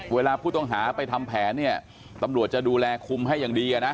เวลาผู้ต้องหาไปทำแผนเนี่ยตำรวจจะดูแลคุมให้อย่างดีนะ